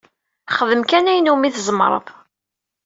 Xdem kan ayen umi tzemreḍ.